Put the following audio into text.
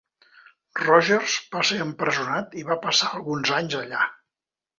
Rogers va ser empresonat i va passar alguns anys allà.